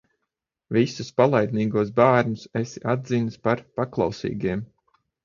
Visus palaidnīgos bērnus esi atzinis par paklausīgiem!